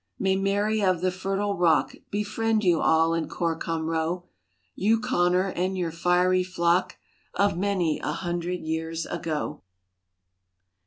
May Mary of the fertile rock Befriend you all in Corcomroe ! You, Conor, and your fiery flock Of many a hundred years ago.